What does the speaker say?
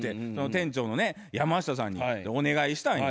店長のね山下さんにお願いしたんや。